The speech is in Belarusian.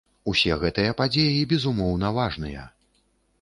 Усе гэтыя падзеі, безумоўна, важныя.